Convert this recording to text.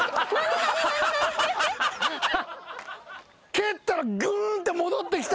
蹴ったらグンッて戻ってきた。